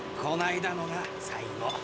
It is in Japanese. こないだのが最後。